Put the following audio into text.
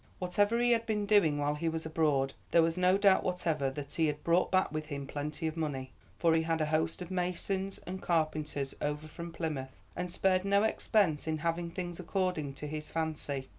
Whatever he had been doing while he was abroad, there was no doubt whatever that he had brought back with him plenty of money, for he had a host of masons and carpenters over from Plymouth, and spared no expense in having things according to his fancy.